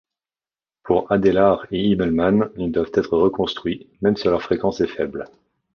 Pour Adelaar et Himmelmann, ils doivent être reconstruits même si leur fréquence est faible.